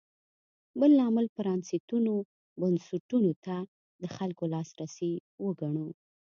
بل لامل پرانېستو بنسټونو ته د خلکو لاسرسی وګڼو.